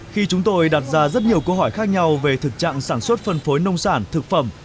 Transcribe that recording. khi chúng tôi đặt ra rất nhiều câu hỏi khác nhau về thực trạng sản xuất phân phối nông sản thực phẩm